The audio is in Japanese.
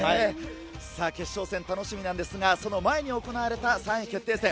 決勝戦、楽しみなんですが、その前に行われた３位決定戦。